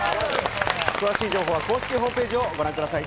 詳しい情報は公式ホームページをご覧ください。